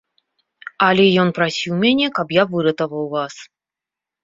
Але ён прасіў мяне, каб я выратаваў вас.